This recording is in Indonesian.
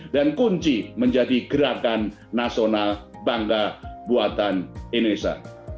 dan kunci menjadi gerakan nasional bangga buatan indonesia